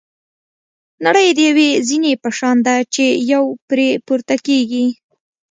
نړۍ د یوې زینې په شان ده چې یو پرې پورته کېږي.